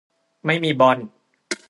ไม่มีบอล